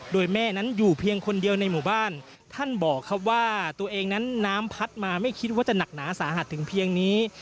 โดยแม่นั้นอยู่เพียงคนเดียวในหมู่บ้านท่านบอกครับว่าตัวเองนั้นน้ำพัดมาไม่คิดว่าจะหนักหนาสาหัสถึงเพียงนี้